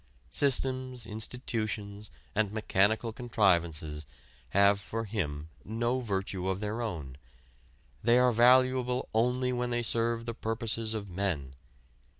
Systems, institutions and mechanical contrivances have for him no virtue of their own: they are valuable only when they serve the purposes of men.